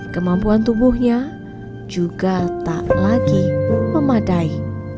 kemampuan tubuhnya juga tak lagi memadai